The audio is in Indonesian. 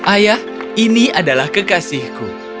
ayah ini adalah kekasihku